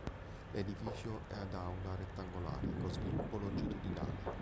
L'edificio è ad aula rettangolare con sviluppo longitudinale.